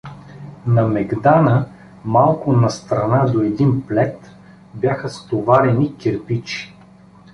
На мегдана, малко настрана до един плет, бяха стоварени кирпичи.